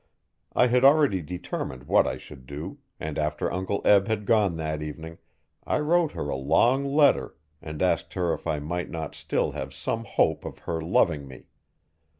I had already determined what I should do, and after Uncle Eb had gone that evening I wrote her a long letter and asked her if I might not still have some hope of her loving me.